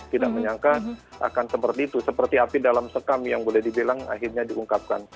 tidak menyangka akan seperti itu seperti api dalam sekam yang boleh dibilang akhirnya diungkapkan